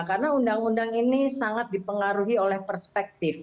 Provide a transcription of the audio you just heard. karena undang undang ini sangat dipengaruhi oleh perspektif